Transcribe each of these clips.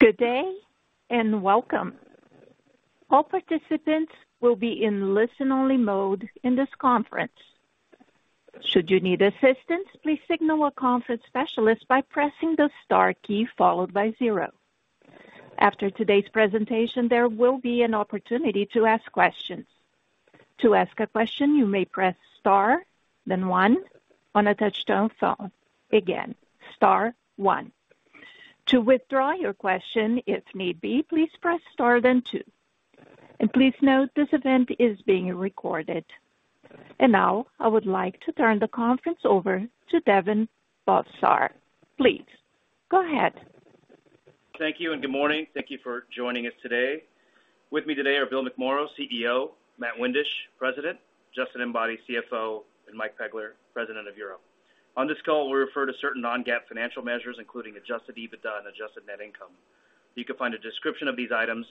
Good day and welcome. All participants will be in listen-only mode in this conference. Should you need assistance, please signal a conference specialist by pressing the star key followed by zero. After today's presentation, there will be an opportunity to ask questions. To ask a question, you may press star, then one, on a touch-tone phone. Again, star, one. To withdraw your question if need be, please press star then two. And please note, this event is being recorded. And now I would like to turn the conference over to Daven Bhavsar. Please go ahead. Thank you and good morning. Thank you for joining us today. With me today are Bill McMorrow, CEO, Matt Windisch, President, Justin Enbody, CFO, and Mike Pegler, President of Europe. On this call, we refer to certain non-GAAP financial measures, including Adjusted EBITDA and Adjusted Net Income. You can find a description of these items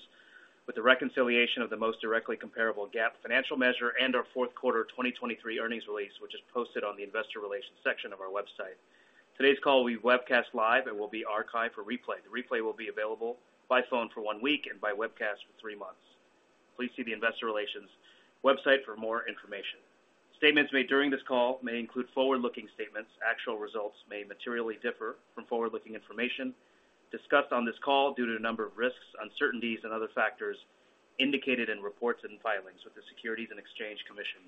with a reconciliation of the most directly comparable GAAP financial measure and our fourth quarter 2023 earnings release, which is posted on the Investor Relations section of our website. Today's call will be webcast live and will be archived for replay. The replay will be available by phone for one week and by webcast for three months. Please see the investor relations website for more information. Statements made during this call may include forward-looking statements. Actual results may materially differ from forward-looking information discussed on this call due to a number of risks, uncertainties, and other factors indicated in reports and filings with the Securities and Exchange Commission.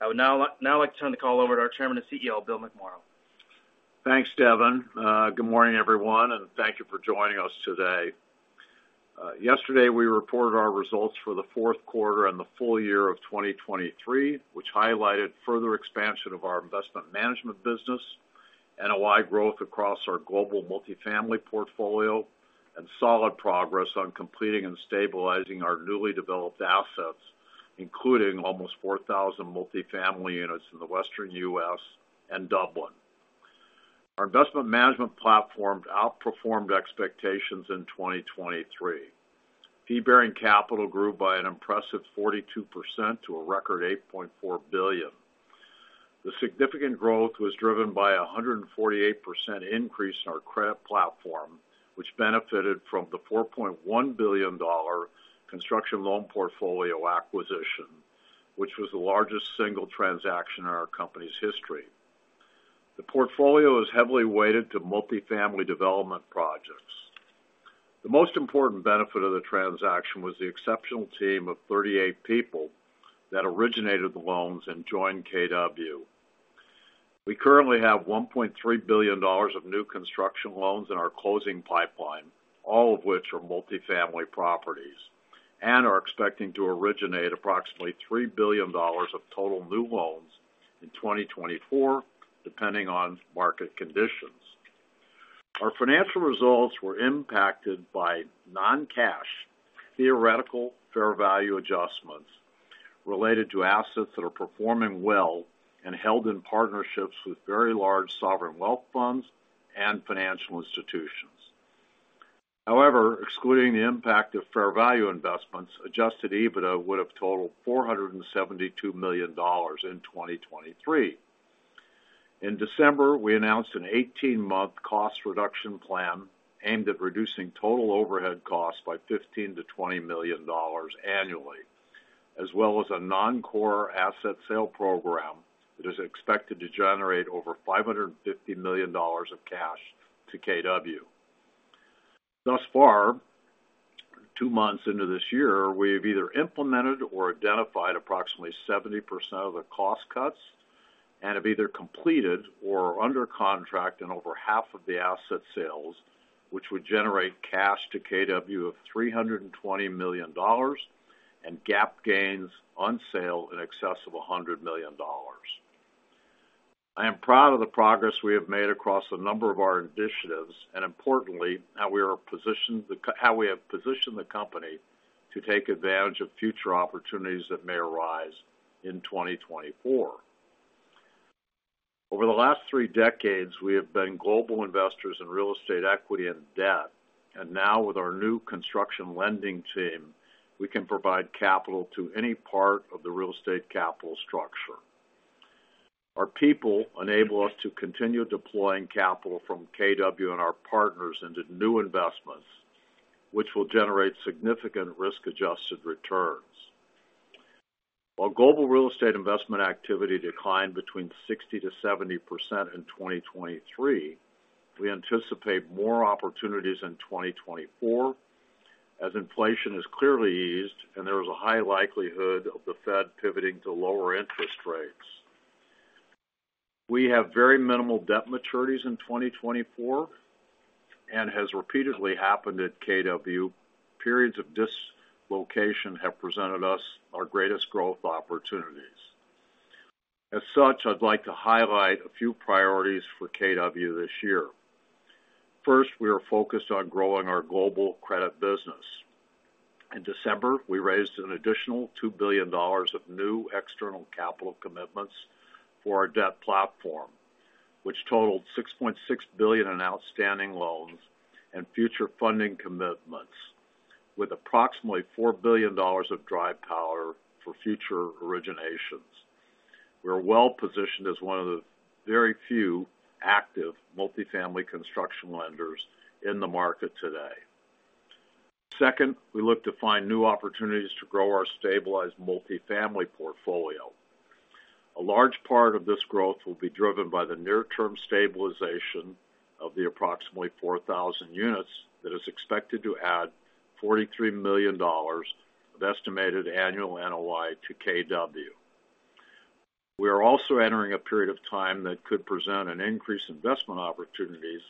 I would now like to turn the call over to our chairman and CEO, Bill McMorrow. Thanks, Daven. Good morning, everyone, and thank you for joining us today. Yesterday, we reported our results for the fourth quarter and the full year of 2023, which highlighted further expansion of our Investment Management business and a wide growth across our global Multifamily portfolio and solid progress on completing and stabilizing our newly developed assets, including almost 4,000 Multifamily units in the Western U.S. and Dublin. Our Investment Management platform outperformed expectations in 2023. Fee-bearing capital grew by an impressive 42% to a record $8.4 billion. The significant growth was driven by a 148% increase in our credit platform, which benefited from the $4.1 billion construction loan portfolio acquisition, which was the largest single transaction in our company's history. The portfolio is heavily weighted to Multifamily development projects. The most important benefit of the transaction was the exceptional team of 38 people that originated the loans and joined KW. We currently have $1.3 billion of new construction loans in our closing pipeline, all of which are Multifamily properties, and are expecting to originate approximately $3 billion of total new loans in 2024, depending on market conditions. Our financial results were impacted by non-cash, theoretical fair value adjustments related to assets that are performing well and held in partnerships with very large sovereign wealth funds and financial institutions. However, excluding the impact of fair value investments, Adjusted EBITDA would have totaled $472 million in 2023. In December, we announced an 18-month cost reduction plan aimed at reducing total overhead costs by $15 million-$20 million annually, as well as a non-core asset sale program that is expected to generate over $550 million of cash to KW. Thus far, two months into this year, we have either implemented or identified approximately 70% of the cost cuts and have either completed or under contract in over half of the asset sales, which would generate cash to KW of $320 million and GAAP gains on sale in excess of $100 million. I am proud of the progress we have made across a number of our initiatives and, importantly, how we have positioned the company to take advantage of future opportunities that may arise in 2024. Over the last three decades, we have been global investors in real estate equity and debt, and now, with our new construction lending team, we can provide capital to any part of the real estate capital structure. Our people enable us to continue deploying capital from KW and our partners into new investments, which will generate significant risk-adjusted returns. While global real estate investment activity declined 60%-70% in 2023, we anticipate more opportunities in 2024 as inflation is clearly eased and there is a high likelihood of the Fed pivoting to lower interest rates. We have very minimal debt maturities in 2024 and has repeatedly happened at KW. Periods of dislocation have presented us our greatest growth opportunities. As such, I'd like to highlight a few priorities for KW this year. First, we are focused on growing our global credit business. In December, we raised an additional $2 billion of new external capital commitments for our debt platform, which totaled $6.6 billion in outstanding loans and future funding commitments, with approximately $4 billion of drive power for future originations. We are well positioned as one of the very few active Multifamily construction lenders in the market today. Second, we look to find new opportunities to grow our stabilized Multifamily portfolio. A large part of this growth will be driven by the near-term stabilization of the approximately 4,000 units that is expected to add $43 million of estimated annual NOI to KW. We are also entering a period of time that could present an increase in investment opportunities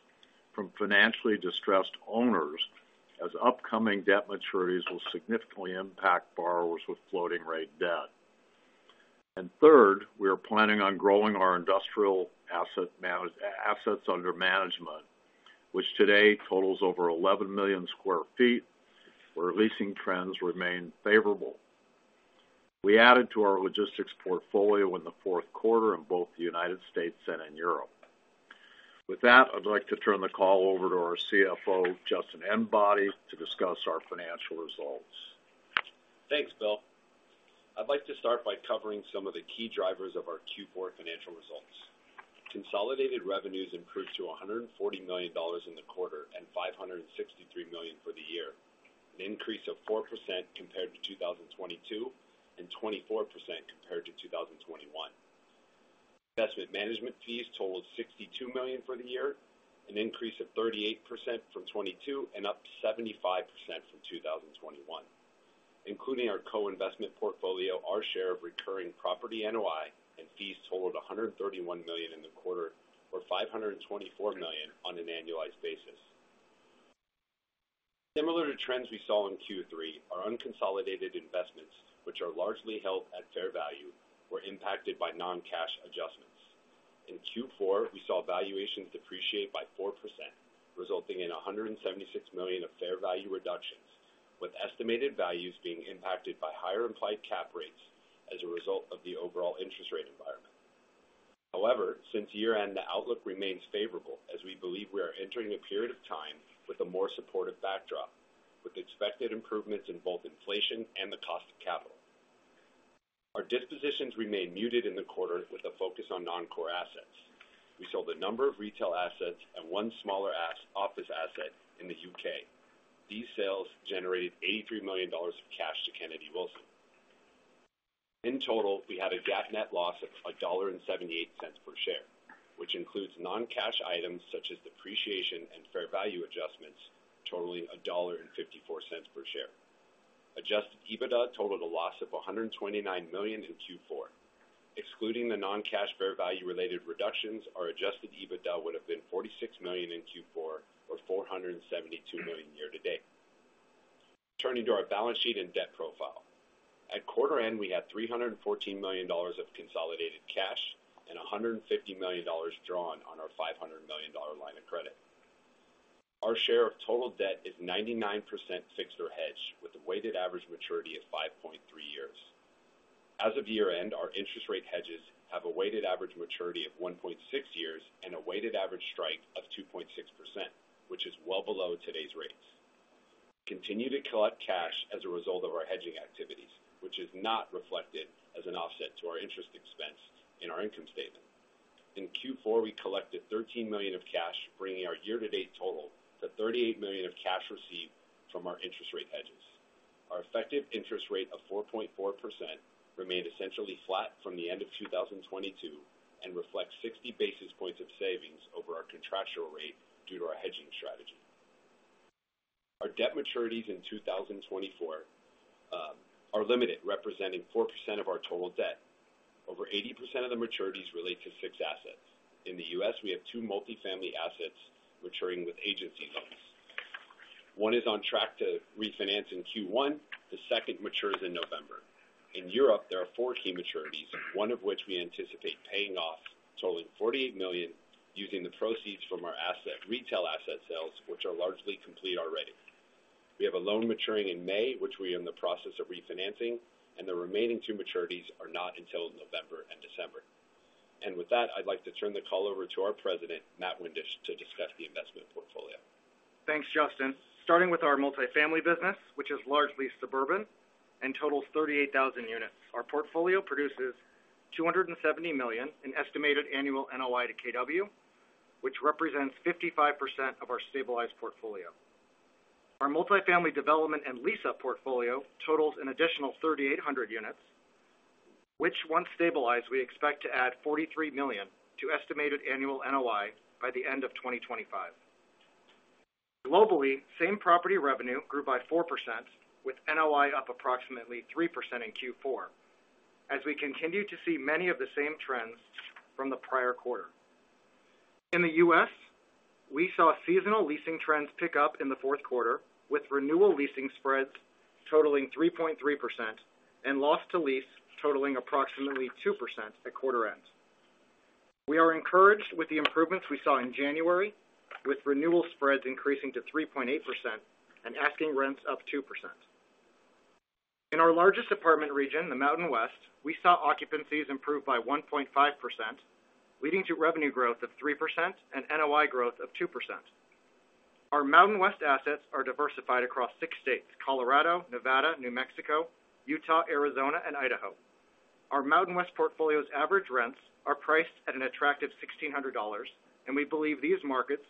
from financially distressed owners as upcoming debt maturities will significantly impact borrowers with floating-rate debt. And third, we are planning on growing our Industrial assets under management, which today totals over 11 million sq ft, where leasing trends remain favorable. We added to our logistics portfolio in the fourth quarter in both the United States and in Europe. With that, I'd like to turn the call over to our CFO, Justin Enbody, to discuss our financial results. Thanks, Bill. I'd like to start by covering some of the key drivers of our Q4 financial results. Consolidated revenues improved to $140 million in the quarter and $563 million for the year, an increase of 4% compared to 2022 and 24% compared to 2021. Investment Management fees totaled $62 million for the year, an increase of 38% from 2022 and up 75% from 2021. Including our Co-Investment Portfolio, our share of recurring property NOI and fees totaled $131 million in the quarter or $524 million on an annualized basis. Similar to trends we saw in Q3, our unconsolidated investments, which are largely held at fair value, were impacted by non-cash adjustments. In Q4, we saw valuations depreciate by 4%, resulting in $176 million of fair value reductions, with estimated values being impacted by higher implied cap rates as a result of the overall interest rate environment. However, since year-end, the outlook remains favorable as we believe we are entering a period of time with a more supportive backdrop, with expected improvements in both inflation and the cost of capital. Our dispositions remain muted in the quarter with a focus on non-core assets. We sold a number of retail assets and one smaller office asset in the U.K. These sales generated $83 million of cash to Kennedy Wilson. In total, we had a GAAP net loss of $1.78 per share, which includes non-cash items such as depreciation and fair value adjustments, totaling $1.54 per share. Adjusted EBITDA totaled a loss of $129 million in Q4. Excluding the non-cash fair value-related reductions, our adjusted EBITDA would have been $46 million in Q4 or $472 million year-to-date. Turning to our balance sheet and debt profile, at quarter-end, we had $314 million of consolidated cash and $150 million drawn on our $500 million line of credit. Our share of total debt is 99% fixed or hedged, with a weighted average maturity of 5.3 years. As of year-end, our interest rate hedges have a weighted average maturity of 1.6 years and a weighted average strike of 2.6%, which is well below today's rates. We continue to collect cash as a result of our hedging activities, which is not reflected as an offset to our interest expense in our income statement. In Q4, we collected $13 million of cash, bringing our year-to-date total to $38 million of cash received from our interest rate hedges. Our effective interest rate of 4.4% remained essentially flat from the end of 2022 and reflects 60 basis points of savings over our contractual rate due to our hedging strategy. Our debt maturities in 2024 are limited, representing 4% of our total debt. Over 80% of the maturities relate to fixed assets. In the U.S., we have two Multifamily assets maturing with agency loans. One is on track to refinance in Q1. The second matures in November. In Europe, there are four key maturities, one of which we anticipate paying off, totaling $48 million, using the proceeds from our retail asset sales, which are largely complete already. We have a loan maturing in May, which we are in the process of refinancing, and the remaining two maturities are not until November and December. With that, I'd like to turn the call over to our president, Matt Windisch, to discuss the investment portfolio. Thanks, Justin. Starting with our Multifamily business, which is largely suburban and totals 38,000 units, our portfolio produces $270 million in estimated annual NOI to KW, which represents 55% of our stabilized portfolio. Our Multifamily development and lease-up portfolio totals an additional 3,800 units, which, once stabilized, we expect to add $43 million to estimated annual NOI by the end of 2025. Globally, same property revenue grew by 4%, with NOI up approximately 3% in Q4, as we continue to see many of the same trends from the prior quarter. In the U.S., we saw seasonal leasing trends pick up in the fourth quarter, with renewal leasing spreads totaling 3.3% and loss to lease totaling approximately 2% at quarter-end. We are encouraged with the improvements we saw in January, with renewal spreads increasing to 3.8% and asking rents up 2%. In our largest apartment region, the Mountain West, we saw occupancies improve by 1.5%, leading to revenue growth of 3% and NOI growth of 2%. Our Mountain West assets are diversified across six states: Colorado, Nevada, New Mexico, Utah, Arizona, and Idaho. Our Mountain West portfolio's average rents are priced at an attractive $1,600, and we believe these markets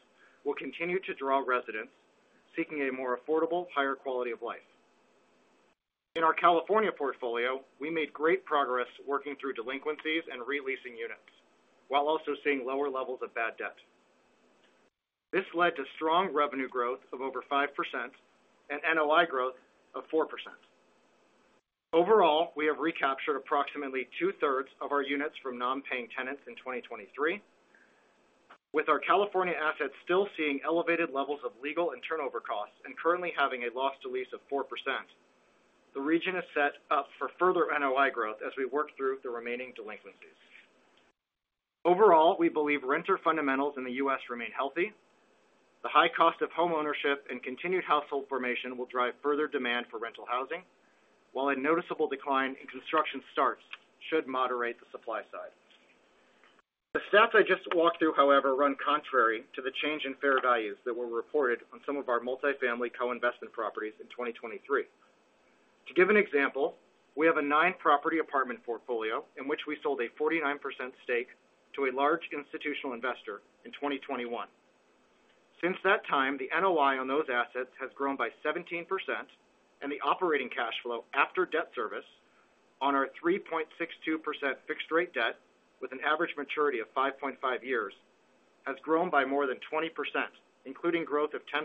will continue to draw residents seeking a more affordable, higher quality of life. In our California portfolio, we made great progress working through delinquencies and releasing units, while also seeing lower levels of bad debt. This led to strong revenue growth of over 5% and NOI growth of 4%. Overall, we have recaptured approximately two-thirds of our units from non-paying tenants in 2023, with our California assets still seeing elevated levels of legal and turnover costs and currently having a loss to lease of 4%. The region is set up for further NOI growth as we work through the remaining delinquencies. Overall, we believe renter fundamentals in the U.S. remain healthy. The high cost of homeownership and continued household formation will drive further demand for rental housing, while a noticeable decline in construction starts should moderate the supply side. The stats I just walked through, however, run contrary to the change in fair values that were reported on some of our Multifamily co-investment properties in 2023. To give an example, we have a nine-property apartment portfolio in which we sold a 49% stake to a large institutional investor in 2021. Since that time, the NOI on those assets has grown by 17%, and the operating cash flow after debt service on our 3.62% fixed-rate debt, with an average maturity of 5.5 years, has grown by more than 20%, including growth of 10%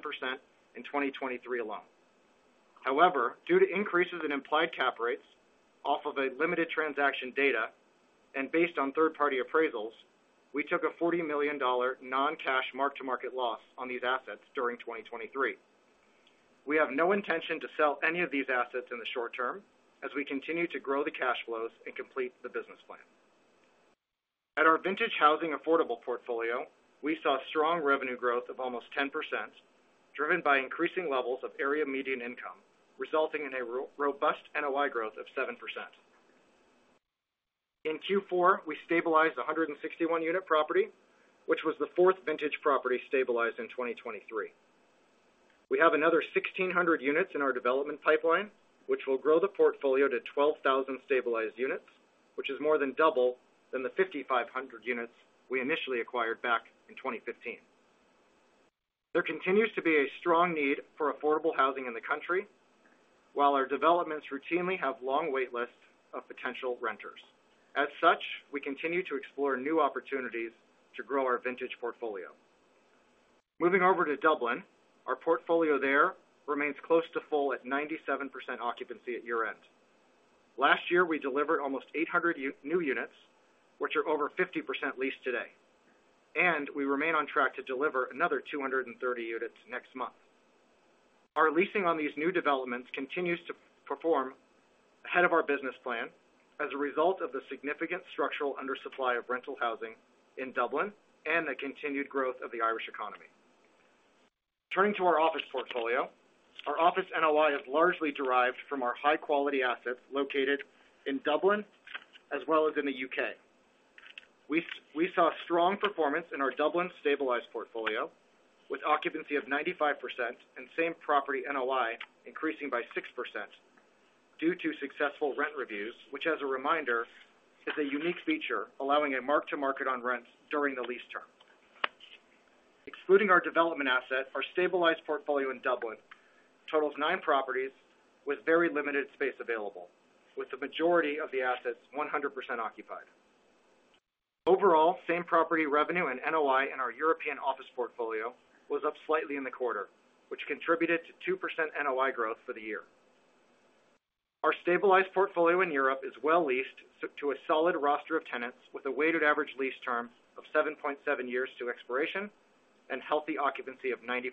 in 2023 alone. However, due to increases in implied cap rates off of a limited transaction data and based on third-party appraisals, we took a $40 million non-cash mark-to-market loss on these assets during 2023. We have no intention to sell any of these assets in the short term, as we continue to grow the cash flows and complete the business plan. At our Vintage Housing affordable portfolio, we saw strong revenue growth of almost 10%, driven by increasing levels of area median income, resulting in a robust NOI growth of 7%. In Q4, we stabilized 161-unit property, which was the fourth Vintage property stabilized in 2023. We have another 1,600 units in our development pipeline, which will grow the portfolio to 12,000 stabilized units, which is more than double than the 5,500 units we initially acquired back in 2015. There continues to be a strong need for affordable housing in the country, while our developments routinely have long waitlists of potential renters. As such, we continue to explore new opportunities to grow our Vintage portfolio. Moving over to Dublin, our portfolio there remains close to full at 97% occupancy at year-end. Last year, we delivered almost 800 new units, which are over 50% leased today, and we remain on track to deliver another 230 units next month. Our leasing on these new developments continues to perform ahead of our business plan as a result of the significant structural undersupply of rental housing in Dublin and the continued growth of the Irish economy. Turning to our office portfolio, our office NOI is largely derived from our high-quality assets located in Dublin as well as in the U.K.. We saw strong performance in our Dublin stabilized portfolio, with occupancy of 95% and same property NOI increasing by 6% due to successful rent reviews, which, as a reminder, is a unique feature allowing a mark-to-market on rents during the lease term. Excluding our development asset, our stabilized portfolio in Dublin totals nine properties with very limited space available, with the majority of the assets 100% occupied. Overall, same property revenue and NOI in our European office portfolio was up slightly in the quarter, which contributed to 2% NOI growth for the year. Our stabilized portfolio in Europe is well leased to a solid roster of tenants, with a weighted average lease term of 7.7 years to expiration and healthy occupancy of 94%.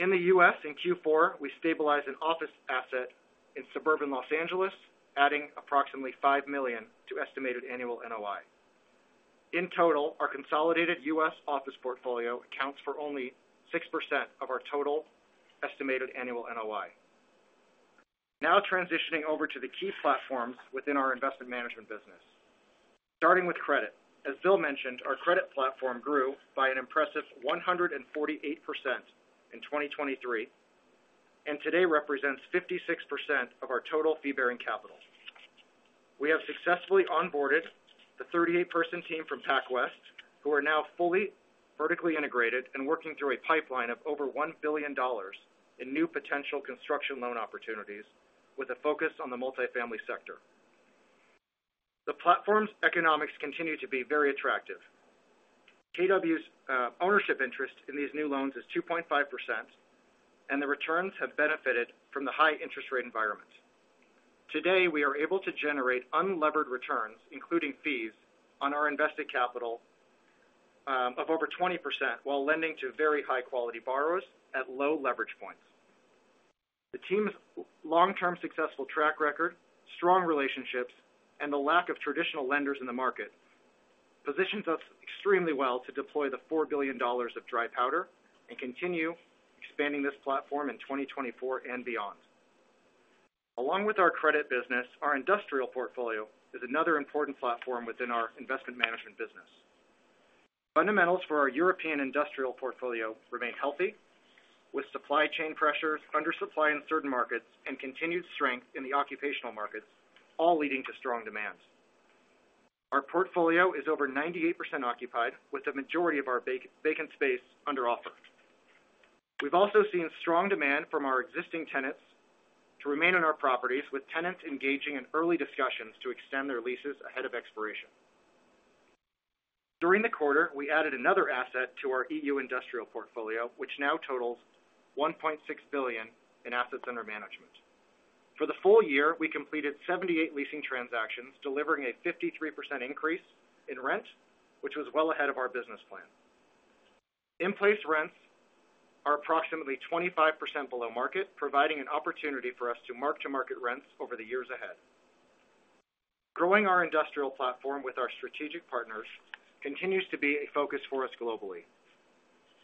In the U.S., in Q4, we stabilized an office asset in suburban Los Angeles, adding approximately $5 million to estimated annual NOI. In total, our consolidated U.S. office portfolio accounts for only 6% of our total estimated annual NOI. Now transitioning over to the key platforms within our Investment Management business. Starting with credit, as Bill mentioned, our credit platform grew by an impressive 148% in 2023 and today represents 56% of our total fee-bearing capital. We have successfully onboarded the 38-person team from PacWest, who are now fully vertically integrated and working through a pipeline of over $1 billion in new potential construction loan opportunities, with a focus on the Multifamily sector. The platform's economics continue to be very attractive. KW's ownership interest in these new loans is 2.5%, and the returns have benefited from the high interest rate environment. Today, we are able to generate unlevered returns, including fees, on our invested capital of over 20% while lending to very high-quality borrowers at low leverage points. The team's long-term successful track record, strong relationships, and the lack of traditional lenders in the market position us extremely well to deploy the $4 billion of dry powder and continue expanding this platform in 2024 and beyond. Along with our credit business, our Industrial portfolio is another important platform within our Investment Management business. Fundamentals for our European Industrial portfolio remain healthy, with supply chain pressures, undersupply in certain markets, and continued strength in the occupational markets, all leading to strong demand. Our portfolio is over 98% occupied, with the majority of our vacant space under offer. We've also seen strong demand from our existing tenants to remain on our properties, with tenants engaging in early discussions to extend their leases ahead of expiration. During the quarter, we added another asset to our E.U. Industrial portfolio, which now totals $1.6 billion in assets under management. For the full year, we completed 78 leasing transactions, delivering a 53% increase in rent, which was well ahead of our business plan. In-place rents are approximately 25% below market, providing an opportunity for us to mark-to-market rents over the years ahead. Growing our Industrial platform with our strategic partners continues to be a focus for us globally.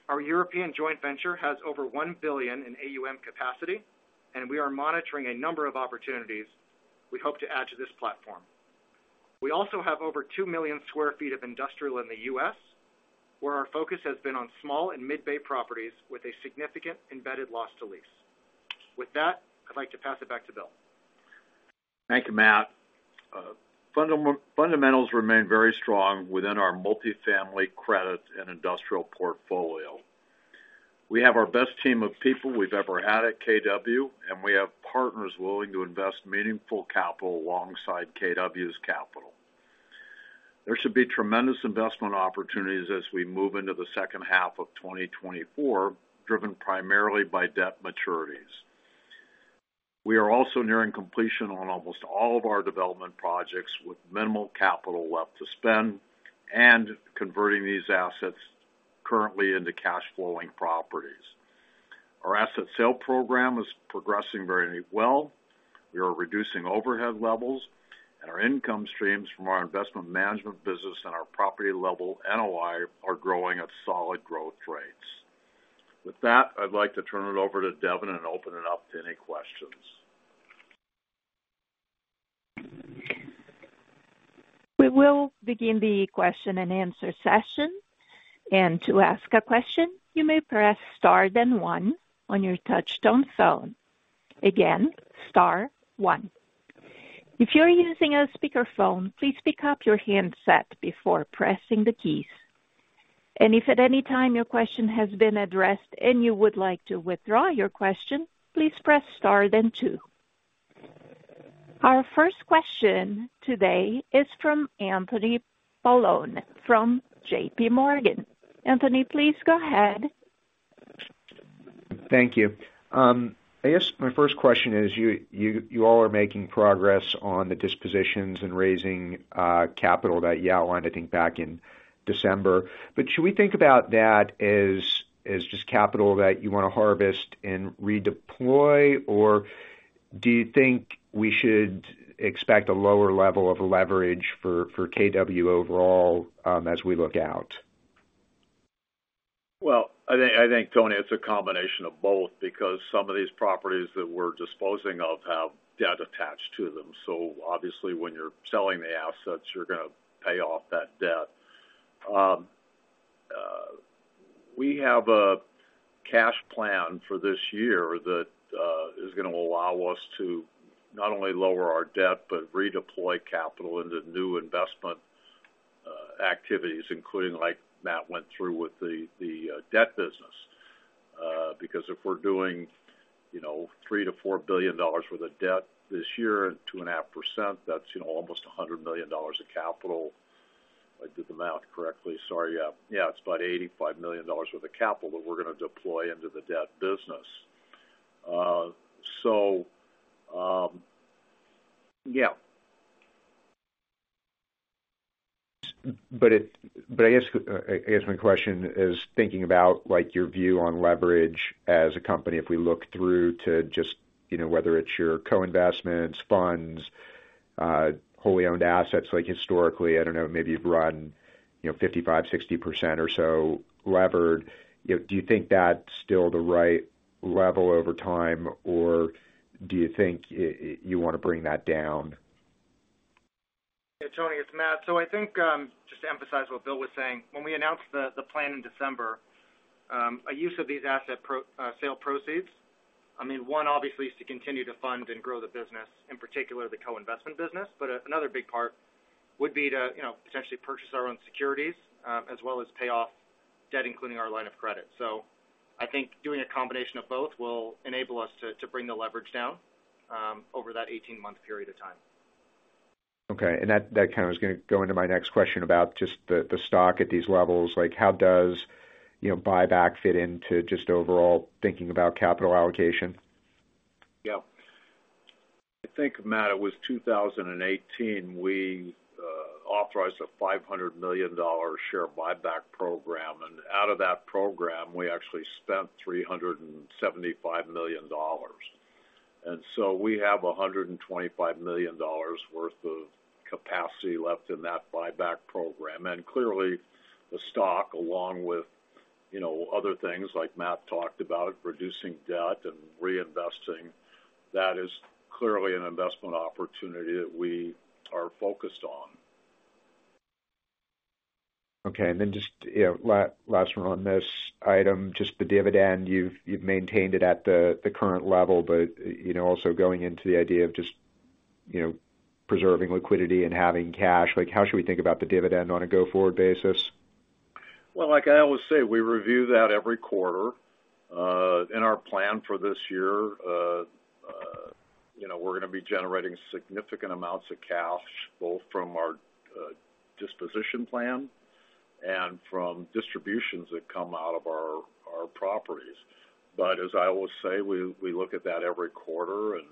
Our European joint venture has over $1 billion in AUM capacity, and we are monitoring a number of opportunities we hope to add to this platform. We also have over 2,000,000 sq ft of Industrial in the U.S., where our focus has been on small and mid-Bay properties with a significant embedded loss to lease. With that, I'd like to pass it back to Bill. Thank you, Matt. Fundamentals remain very strong within our Multifamily credit and Industrial portfolio. We have our best team of people we've ever had at KW, and we have partners willing to invest meaningful capital alongside KW's capital. There should be tremendous investment opportunities as we move into the second half of 2024, driven primarily by debt maturities. We are also nearing completion on almost all of our development projects with minimal capital left to spend and converting these assets currently into cash-flowing properties. Our asset sale program is progressing very well. We are reducing overhead levels, and our income streams from our Investment Management business and our property level NOI are growing at solid growth rates. With that, I'd like to turn it over to Daven and open it up to any questions. We will begin the question-and-answer session. To ask a question, you may press star then one on your touch-tone phone. Again, star one. If you're using a speakerphone, please pick up your handset before pressing the keys. If at any time your question has been addressed and you would like to withdraw your question, please press star then two. Our first question today is from Anthony Paolone from JPMorgan. Anthony, please go ahead. Thank you. I guess my first question is, you all are making progress on the dispositions and raising capital that you outlined, I think, back in December. But should we think about that as just capital that you want to harvest and redeploy, or do you think we should expect a lower level of leverage for KW overall as we look out? Well, I think, Tony, it's a combination of both because some of these properties that we're disposing of have debt attached to them. So obviously, when you're selling the assets, you're going to pay off that debt. We have a cash plan for this year that is going to allow us to not only lower our debt but redeploy capital into new investment activities, including, like Matt went through with the debt business. Because if we're doing $3 billion-$4 billion worth of debt this year and 2.5%, that's almost $100 million of capital. I did the math correctly. Sorry. Yeah, it's about $85 million worth of capital that we're going to deploy into the debt business. So yeah. I guess my question is, thinking about your view on leverage as a company, if we look through to just whether it's your co-investments, funds, wholly owned assets, like historically, I don't know, maybe you've run 55%-60% or so levered. Do you think that's still the right level over time, or do you think you want to bring that down? Yeah, Tony, it's Matt. So I think, just to emphasize what Bill was saying, when we announced the plan in December, a use of these asset sale proceeds, I mean, one, obviously, is to continue to fund and grow the business, in particular the co-investment business. But another big part would be to potentially purchase our own securities as well as pay off debt, including our line of credit. So I think doing a combination of both will enable us to bring the leverage down over that 18-month period of time. Okay. And that kind of was going to go into my next question about just the stock at these levels. How does buyback fit into just overall thinking about capital allocation? Yeah. I think, Matt, it was 2018 we authorized a $500 million share buyback program. Out of that program, we actually spent $375 million. So we have $125 million worth of capacity left in that buyback program. Clearly, the stock, along with other things, like Matt talked about, reducing debt and reinvesting, that is clearly an investment opportunity that we are focused on. Okay. And then just last one on this item, just the dividend. You've maintained it at the current level, but also going into the idea of just preserving liquidity and having cash. How should we think about the dividend on a go-forward basis? Well, like I always say, we review that every quarter. In our plan for this year, we're going to be generating significant amounts of cash, both from our disposition plan and from distributions that come out of our properties. But as I always say, we look at that every quarter. And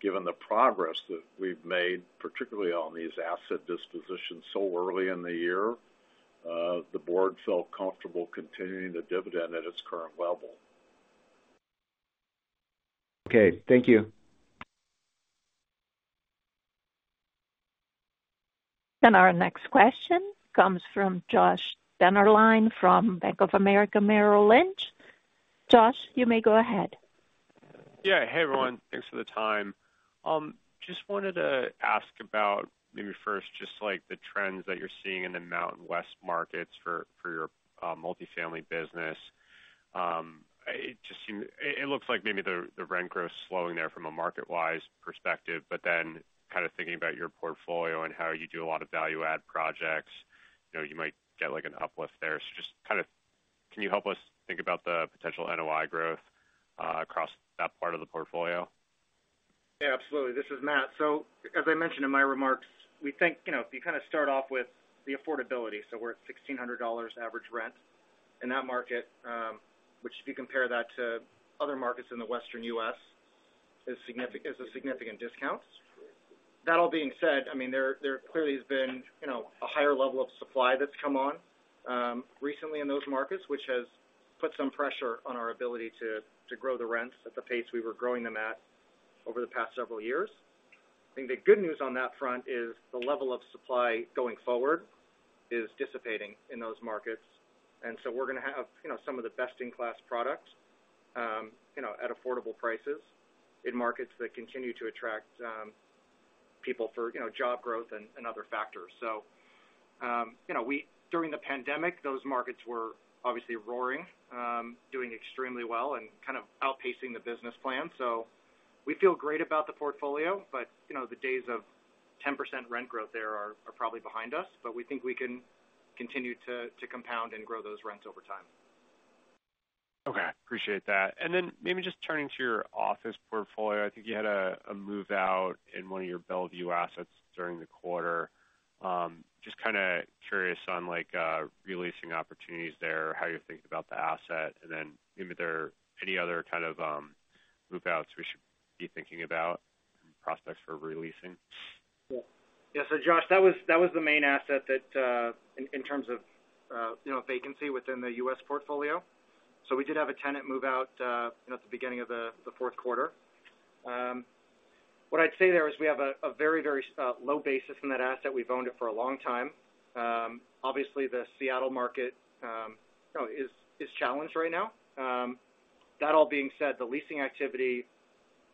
given the progress that we've made, particularly on these asset dispositions so early in the year, the board felt comfortable continuing the dividend at its current level. Okay. Thank you. And our next question comes from Josh Dennerlein from Bank of America Merrill Lynch. Josh, you may go ahead. Yeah. Hey, everyone. Thanks for the time. Just wanted to ask about, maybe first, just the trends that you're seeing in the Mountain West markets for your Multifamily business. It looks like maybe the rent growth's slowing there from a market-wise perspective. But then kind of thinking about your portfolio and how you do a lot of value-add projects, you might get an uplift there. So just kind of can you help us think about the potential NOI growth across that part of the portfolio? Yeah, absolutely. This is Matt. So as I mentioned in my remarks, we think if you kind of start off with the affordability - so we're at $1,600 average rent in that market, which if you compare that to other markets in the Western U.S. is a significant discount - that all being said, I mean, there clearly has been a higher level of supply that's come on recently in those markets, which has put some pressure on our ability to grow the rents at the pace we were growing them at over the past several years. I think the good news on that front is the level of supply going forward is dissipating in those markets. And so we're going to have some of the best-in-class products at affordable prices in markets that continue to attract people for job growth and other factors. During the pandemic, those markets were obviously roaring, doing extremely well, and kind of outpacing the business plan. We feel great about the portfolio, but the days of 10% rent growth there are probably behind us. We think we can continue to compound and grow those rents over time. Okay. Appreciate that. And then maybe just turning to your office portfolio, I think you had a move out in one of your Bellevue assets during the quarter. Just kind of curious on releasing opportunities there, how you're thinking about the asset, and then maybe are there any other kind of move-outs we should be thinking about and prospects for releasing? Yeah. Yeah. So Josh, that was the main asset in terms of vacancy within the U.S. portfolio. So we did have a tenant move out at the beginning of the fourth quarter. What I'd say there is we have a very, very low basis in that asset. We've owned it for a long time. Obviously, the Seattle market is challenged right now. That all being said, the leasing activity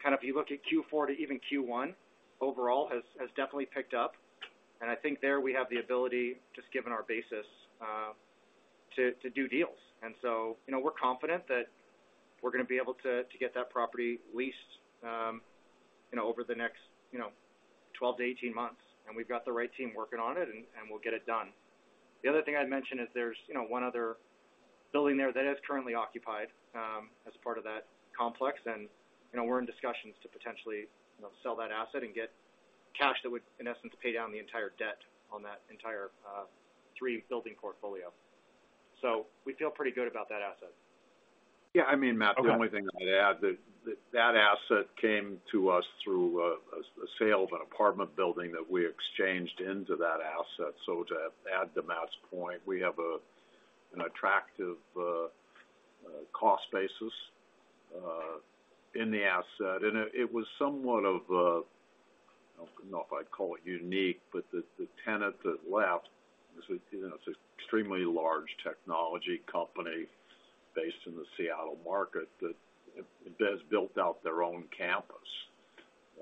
kind of if you look at Q4 to even Q1 overall has definitely picked up. And I think there we have the ability, just given our basis, to do deals. And so we're confident that we're going to be able to get that property leased over the next 12-18 months. And we've got the right team working on it, and we'll get it done. The other thing I'd mention is there's one other building there that is currently occupied as part of that complex. We're in discussions to potentially sell that asset and get cash that would, in essence, pay down the entire debt on that entire three-building portfolio. We feel pretty good about that asset. Yeah. I mean, Matt, the only thing I'd add, that asset came to us through a sale of an apartment building that we exchanged into that asset. So to add to Matt's point, we have an attractive cost basis in the asset. And it was somewhat of—I don't know if I'd call it unique, but the tenant that left, it's an extremely large technology company based in the Seattle market that has built out their own campus.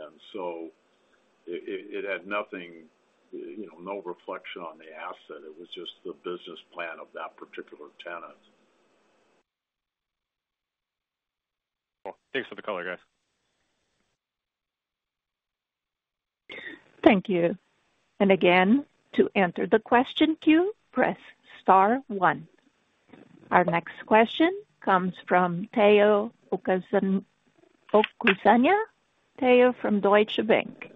And so it had no reflection on the asset. It was just the business plan of that particular tenant. Thanks for the color, guys. Thank you. And again, to answer the question queue, press star one. Our next question comes from Omotayo Okusanya, Omotayo from Deutsche Bank.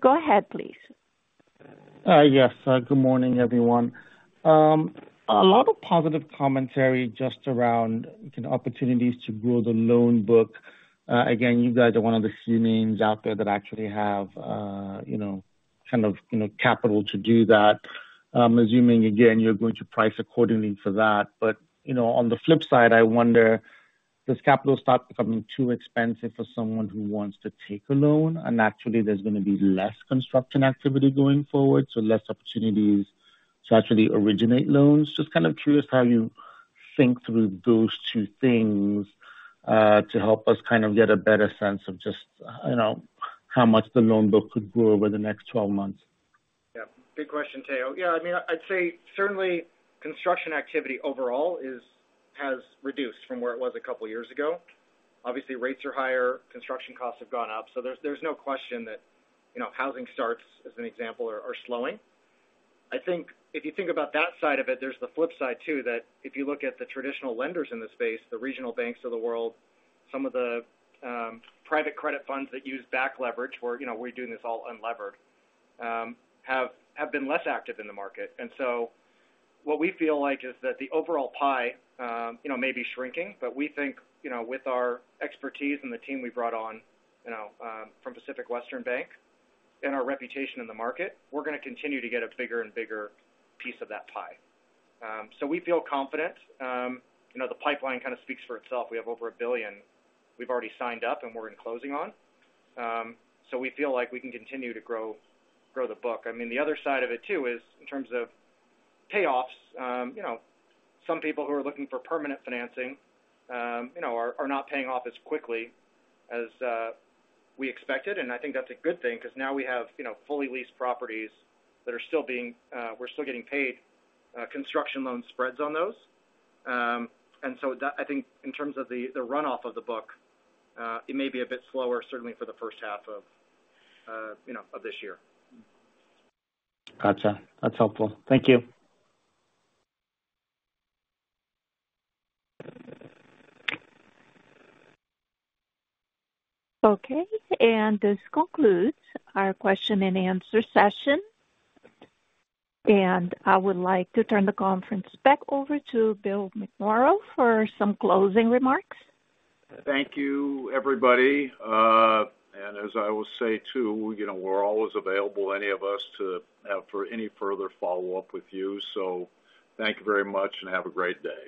Go ahead, please. Yes. Good morning, everyone. A lot of positive commentary just around opportunities to grow the loan book. Again, you guys are one of the few names out there that actually have kind of capital to do that, assuming, again, you're going to price accordingly for that. But on the flip side, I wonder, does capital start becoming too expensive for someone who wants to take a loan? And actually, there's going to be less construction activity going forward, so less opportunities to actually originate loans. Just kind of curious how you think through those two things to help us kind of get a better sense of just how much the loan book could grow over the next 12 months. Yeah. Good question, Tayo. Yeah. I mean, I'd say certainly, construction activity overall has reduced from where it was a couple of years ago. Obviously, rates are higher. Construction costs have gone up. So there's no question that housing starts, as an example, are slowing. I think if you think about that side of it, there's the flip side too, that if you look at the traditional lenders in the space, the regional banks of the world, some of the private credit funds that use back leverage - we're doing this all unlevered - have been less active in the market. And so what we feel like is that the overall pie may be shrinking, but we think with our expertise and the team we brought on from Pacific Western Bank and our reputation in the market, we're going to continue to get a bigger and bigger piece of that pie. So we feel confident. The pipeline kind of speaks for itself. We have over $1 billion we've already signed up, and we're in closing on. So we feel like we can continue to grow the book. I mean, the other side of it too is, in terms of payoffs, some people who are looking for permanent financing are not paying off as quickly as we expected. And I think that's a good thing because now we have fully leased properties that are still being we're still getting paid construction loan spreads on those. I think, in terms of the runoff of the book, it may be a bit slower, certainly for the first half of this year. Gotcha. That's helpful. Thank you. Okay. This concludes our question-and-answer session. I would like to turn the conference back over to Bill McMorrow for some closing remarks. Thank you, everybody. As I will say too, we're always available, any of us, for any further follow-up with you. Thank you very much, and have a great day.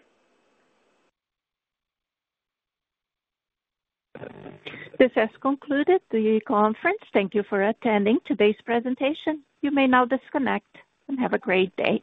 This has concluded the conference. Thank you for attending today's presentation. You may now disconnect and have a great day.